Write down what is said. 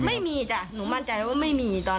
ไม่มีจ้ะหนูมั่นใจว่าไม่มีตอน